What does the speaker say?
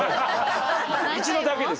一度だけです。